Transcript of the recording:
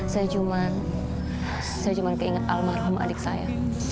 saya cuma saya cuma keinget almarhum adik saya